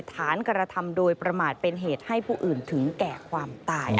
กระทำโดยประมาทเป็นเหตุให้ผู้อื่นถึงแก่ความตาย